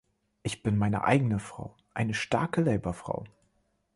Ich bin meine eigene Frau. Eine starke Labour-Frau.